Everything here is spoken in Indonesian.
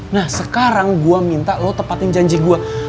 nah sekarang gue minta lo tepatin janji gue